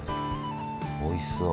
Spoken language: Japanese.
おいしそう。